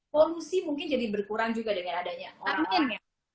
volusi mungkin jadi berkurang juga dengan adanya orang orangnya